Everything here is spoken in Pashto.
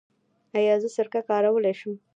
ایا زه سرکه کارولی شم؟